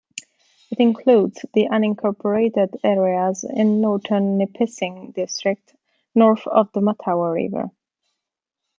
It includes the unincorporated areas in northern Nipissing District north of the Mattawa River.